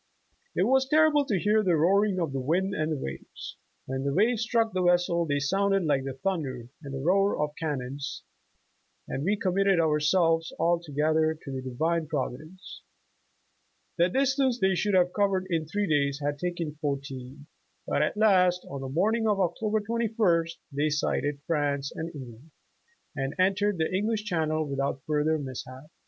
"It was terrible to hear the roaring of the wind and the waves. When the waves struck the vessel, they sounded like the thunder and roar of cannons, and wa committed ourselves altogether to the Divine Provi dence. '' The distance they should have covered in three days had taken fourteen, but at last on the morning of Oc tober 21st they sighted France and England, and en tered the English Channel without further mishap.